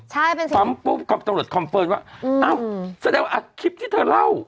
ใช่เป็นเสียงปั๊มปุ๊บตำรวจคอมเฟิร์นว่าอ้าวแสดงว่าอ่ะคลิปที่เธอเล่า